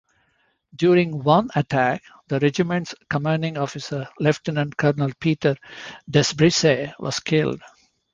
During one attack, the regiment's commanding officer Lieutenant-Colonel Peter Desbrisay was killed.